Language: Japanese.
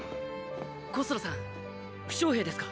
コスロさん負傷兵ですか？